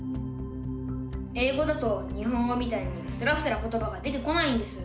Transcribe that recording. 英語だと日本語みたいにすらすらことばが出てこないんです。